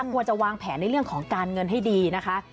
ควรจะวางแผนในเรื่องของการเงินให้ดีนะคะ